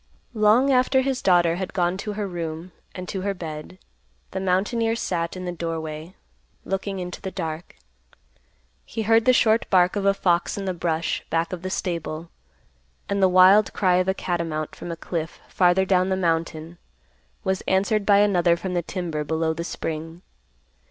Long after his daughter had gone to her room and to her bed, the mountaineer sat in the doorway, looking into the dark. He heard the short bark of a fox in the brush back of the stable; and the wild cry of a catamount from a cliff farther down the mountain was answered by another from the timber below the spring.